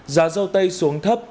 giá dầu tây xuống thấp